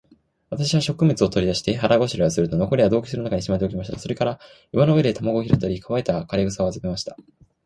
私は食物を取り出して、腹ごしらえをすると、残りは洞穴の中にしまっておきました。それから岩の上で卵を拾ったり、乾いた枯草を集めました。